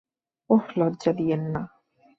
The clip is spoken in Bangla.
ওহ লজ্জা দিয়েন না।